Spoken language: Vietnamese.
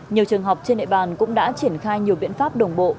nhiều trường học trên nệ bàn cũng đã triển khai nhiều biện pháp đồng bộ